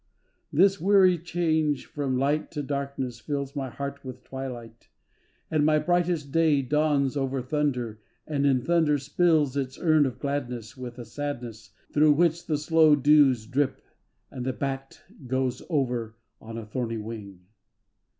This weary change from light to darkness fills My heart with twilight, and my brightest day Dawns over thunder and in thunder spills Its urn of gladness With a sadness Through which the slow dews drip And the bat goes over on a thorny wing.